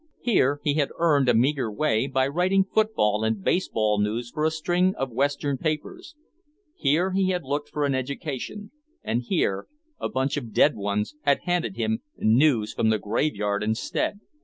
Here he had earned a meager way by writing football and baseball news for a string of western papers. Here he had looked for an education, and here "a bunch of dead ones" had handed him "news from the graveyard" instead.